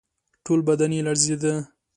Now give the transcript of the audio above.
ټول بدن یې لړزېده.